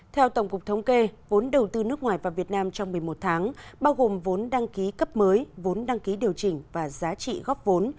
theo tổng cục thống kê vốn đầu tư nước ngoài và việt nam trong một mươi một tháng bao gồm vốn đăng ký cấp mới vốn đăng ký điều chỉnh và giá trị góp vốn